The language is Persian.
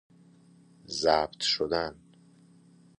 ضبط شدن